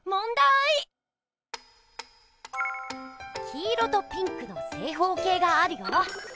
黄色とピンクの正方形があるよ。